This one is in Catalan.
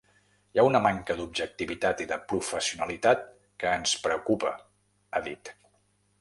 Hi ha una manca d’objectivitat i de professionalitat que ens preocupa, ha dit.